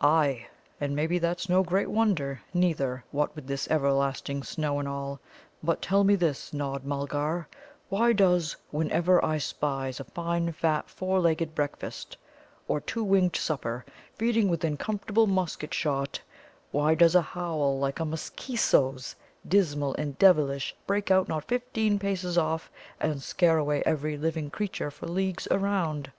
"Ay, and maybe that's no great wonder, neether, what with this everlasting snow and all. But tell me this, Nod Mulgar: Why does, whenever I spies a fine fat four legged breakfast or two winged supper feeding within comfortable musket shot why does a howl like a M'keesoe's, dismal and devilish, break out not fifteen paces off, and scare away every living creature for leagues around?